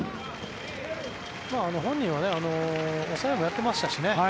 本人は抑えもやってましたしね。